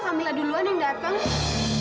kamilah duluan yang datang